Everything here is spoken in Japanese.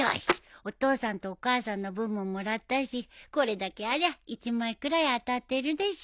お父さんとお母さんの分ももらったしこれだけありゃ１枚くらい当たってるでしょ。